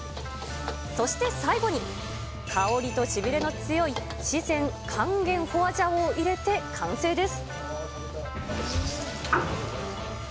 そして最後に、香りとしびれの強い四川漢源ホアジャオ入れて完成です。